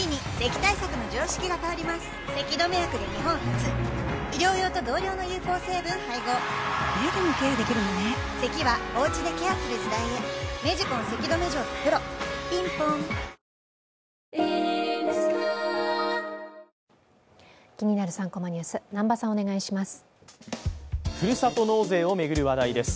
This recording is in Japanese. ３コマニュース」、南波さん、お願いします。